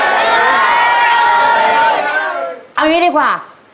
เอาอย่างนี้ดีกว่า